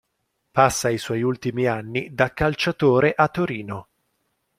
Passa i suoi ultimi anni da calciatore a Torino.